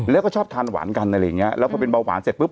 แล้วก็ชอบทานหวานกันอะไรอย่างเงี้ยแล้วพอเป็นเบาหวานเสร็จปุ๊